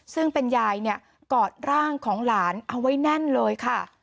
ซึ่งเป็นยายเนี่ยกอดร่างของหลานเอาไว้แน่นเลยค่ะ